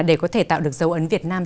để có thể tạo được dấu ấn việt nam